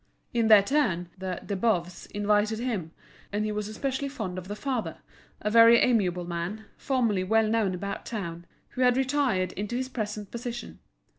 In their turn, the De Boves invited him, and he was especially fond of the father, a very amiable man, formerly well known about town, who had retired into his present position.